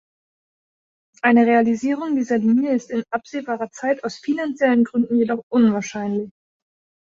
Eine Realisierung dieser Linie ist in absehbarer Zeit aus finanziellen Gründen jedoch unwahrscheinlich.